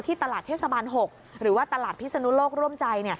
ตลาดเทศบาล๖หรือว่าตลาดพิศนุโลกร่วมใจ